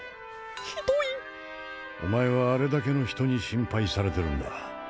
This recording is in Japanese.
ひどいお前はあれだけの人に心配されてるんだ